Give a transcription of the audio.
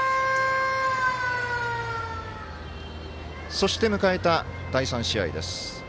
そして迎えた第３試合です。